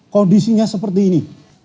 kondisinya seperti ini